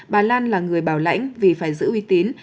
bà lan là người bảo lãnh vì phải giữ uy tín